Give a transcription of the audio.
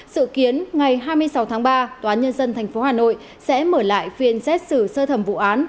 sự kiến ngày hai mươi sáu tháng ba tòa nhân dân tp hà nội sẽ mở lại phiên xét xử sơ thẩm vụ án